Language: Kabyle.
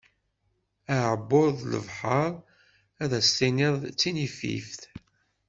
Aɛebbuḍ d lebḥar, ad as-tiniḍ d tinifift.